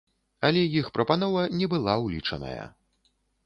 Але іх прапанова не была ўлічаная.